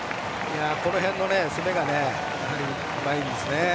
この辺の攻めがうまいですね。